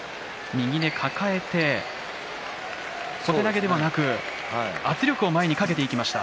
右で抱えて小手投げではなく圧力を前にかけていきました。